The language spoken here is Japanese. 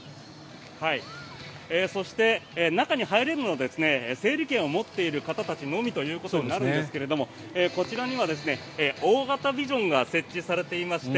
そして、中に入れるのは整理券を持っている方たちのみということになるんですがこちらには大型ビジョンが設置されていまして